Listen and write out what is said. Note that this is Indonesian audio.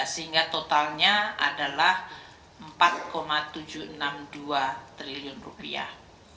sehingga totalnya adalah empat tujuh ratus enam puluh dua triliun rupiah